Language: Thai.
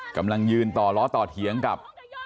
กำลังยืนต่อล้อต่อเถียงกับ